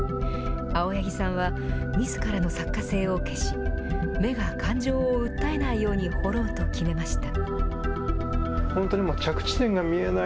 青柳さんはみずからの作家性を消し目が感情を訴えないように彫ろうと決めました。